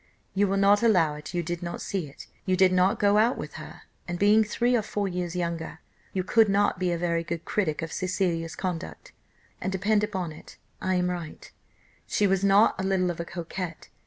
You will not allow it, you did not see it, you did not go out with her, and being three or four years younger, you could not be a very good critic of Cecilia's conduct; and depend upon it I am right, she was not a little of a coquette.